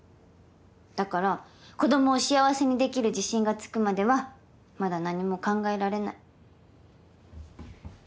だから子供を幸せにできる自信がつくまではまだ何も考えられない。